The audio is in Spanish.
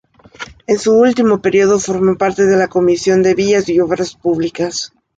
En su último periodo formó parte de la comisión de Vías y Obras Públicas.